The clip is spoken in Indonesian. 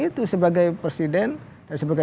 itu sebagai presiden dan sebagai